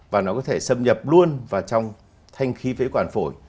và nó có thể xâm nhập luôn vào trong thanh khí phế quản phổi